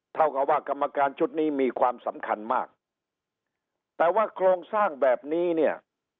เท่ากับว่ากรรมการชุดนี้มีความสำคัญมากแต่ว่าโครงสร้างแบบนี้เนี่ย